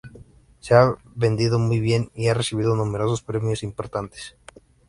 Se ha vendido muy bien y ha recibido numerosos premios importantes.